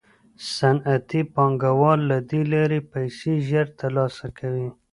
صنعتي پانګوال له دې لارې پیسې ژر ترلاسه کوي